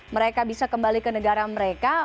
mereka bisa kembali ke negara mereka